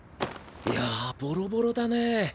いやボロボロだねぇ。